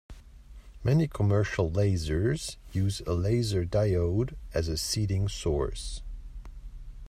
Many commercial lasers use a laser diode as a seeding source.